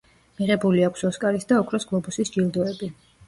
მიღებული აქვს ოსკარის და ოქროს გლობუსის ჯილდოები.